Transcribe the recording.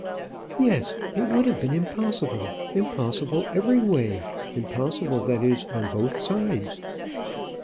"Yes; it would have been impossible; impossible every way; impossible, that is, on both sides."